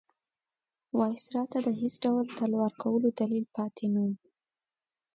وایسرا ته د هېڅ ډول تلوار کولو دلیل پاتې نه وو.